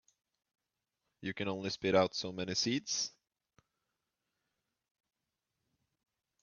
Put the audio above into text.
You can only spit out so many seeds.